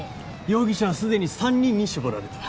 容疑者はすでに３人に絞られた。